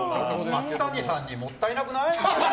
松谷さんにもったいなくない？